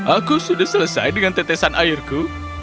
aku sudah selesai dengan tetesan airku